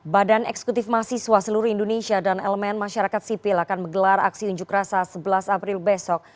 badan eksekutif mahasiswa seluruh indonesia dan elemen masyarakat sipil akan menggelar aksi unjuk rasa sebelas april besok